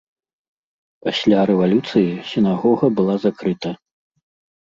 Пасля рэвалюцыі сінагога была закрыта.